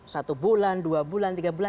satu bulan dua bulan tiga bulan